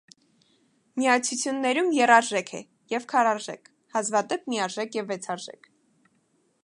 Միացություններում եռարժեք է և քառարժեք, հազվադեպ՝ միարժեք և վեցարժեք։